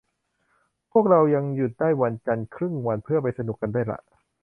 พวกเรายังได้หยุดวันจันทร์ครึ่งวันเพื่อไปสนุกกันด้วยล่ะ